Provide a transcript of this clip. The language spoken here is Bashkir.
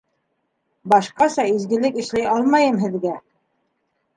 Башҡаса изгелек эшләй алмайым һеҙгә!